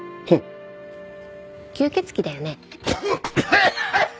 吸血鬼だよね？